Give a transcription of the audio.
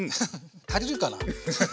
足りるかなあ。